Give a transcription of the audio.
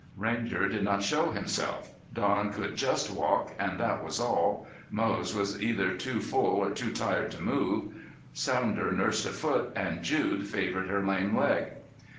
Ranger did not show himself; Don could just walk and that was all; Moze was either too full or too tired to move; Sounder nursed a foot and Jude favored her lame leg.